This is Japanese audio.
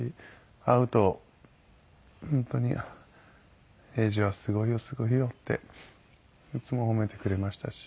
会うと本当に「英治はすごいよすごいよ」っていつも褒めてくれましたし。